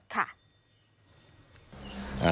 ค่ะ